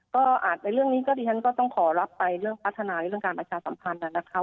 ก็อาจในเรื่องนี้ก็ดิฉันก็ต้องขอรับไปเรื่องพัฒนาในเรื่องการประชาสัมพันธ์นะคะ